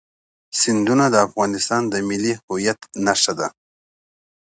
سیندونه د افغانستان د ملي هویت نښه ده.